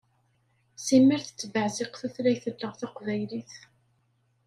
Simmal tettbeɛziq tutlayt-nneɣ taqbaylit.